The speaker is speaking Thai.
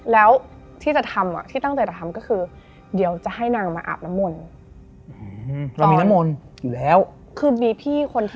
แล้วที่จะทำอะที่ตั้งแต่จะทำก็คือก็ให้นางมาอาบนามน